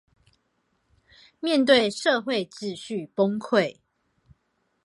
面對社會秩序崩潰